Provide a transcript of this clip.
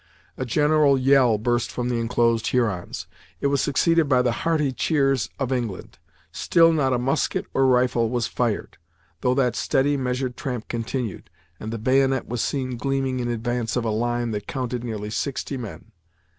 A general yell burst from the enclosed Hurons; it was succeeded by the hearty cheers of England. Still not a musket or rifle was fired, though that steady, measured tramp continued, and the bayonet was seen gleaming in advance of a line that counted nearly sixty men.